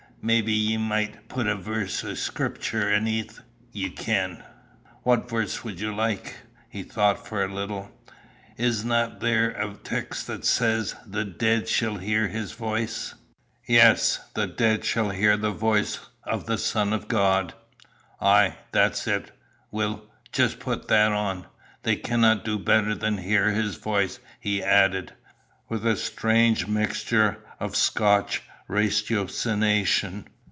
Maybe ye micht put a verse o' Scripter aneath't, ye ken." "What verse would you like?" He thought for a little. "Isna there a text that says, 'The deid shall hear his voice'?" "Yes: 'The dead shall hear the voice of the Son of God.'" "Ay. That's it. Weel, jist put that on. They canna do better than hear his voice," he added, with a strange mixture of Scotch ratiocination.